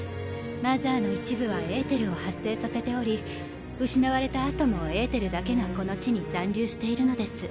マザーの一部はエーテルを発生させており失われた後もエーテルだけがこの地に残留しているのです。